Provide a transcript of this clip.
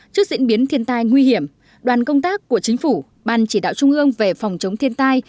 trước diễn biến thiên tai nguy hiểm đoàn công tác của chính phủ ban chỉ đạo trung ương về phòng chống thiên tai